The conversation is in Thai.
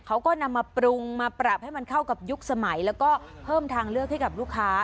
เขาก็นำมาปรุงมาปรับให้มันเข้ากับยุคสมัยแล้วก็เพิ่มทางเลือกให้กับลูกค้า